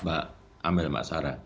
mbak amel masara